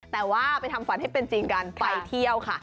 แต่ว่าไปทำฝันให้เป็นจริงกันไปเที่ยวค่ะ